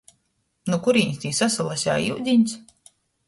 Nu kurīnis tī sasalaseja iudiņs?